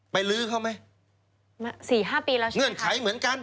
ลื้อเขาไหมสี่ห้าปีแล้วใช่ไหมเงื่อนไขเหมือนกัน